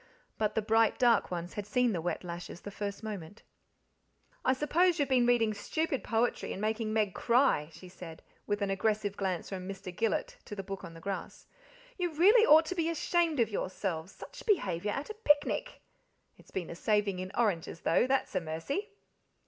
But the bright dark ones had seen the wet lashes the first moment. "I s'pose you've been reading stupid poetry and making Meg cry?" she said, with an aggressive glance from Mr. Gillet to the book on the grass. "You really ought to be, ashamed of yourselves, SICH behaviour at a picnic. It's been a saving in oranges, though, that's a mercy."